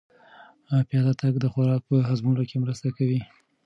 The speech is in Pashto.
پیاده تګ د خوراک په هضمولو کې مرسته کوي.